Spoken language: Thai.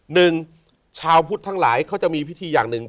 หนึ่งชาวพุทธทั้งหลายเขาจะมีพิธีอย่างหนึ่ง